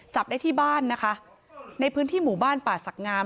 จับได้ที่บ้านนะคะในพื้นที่หมู่บ้านป่าศักดิ์งาม